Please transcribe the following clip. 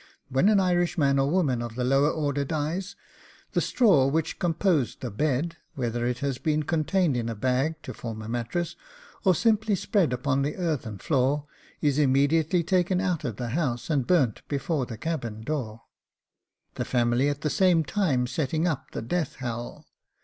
When an Irish man or woman of the lower order dies, the straw which composed the bed, whether it has been contained in a bag to form a mattress, or simply spread upon the earthen floor, is immediately taken out of the house, and burned before the cabin door, the family at the same time setting up the death howl.